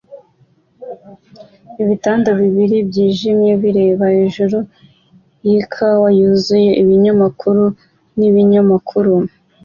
Ibitanda bibiri byijimye bireba hejuru yikawa yuzuye ibinyamakuru nibinyamakuru